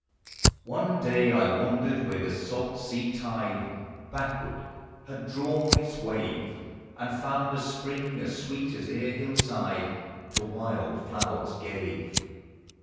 One day 1 wandered where the salt sea tide Backward had drawn its wave. And found a spring as sweet as e'er hillside To wild flowers gave.